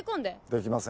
できません。